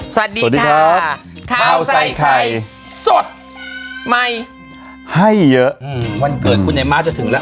สวัสดีครับข้าวใส่ไข่สดใหม่ให้เยอะอืมวันเกิดคุณไอ้ม้าจะถึงแล้ว